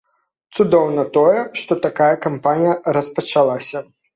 Цудоўна тое, што такая кампанія распачалася.